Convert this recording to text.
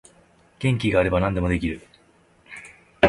元気があれば何でもできる